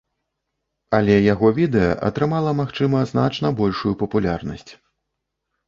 Але яго відэа атрымала, магчыма, значна большую папулярнасць.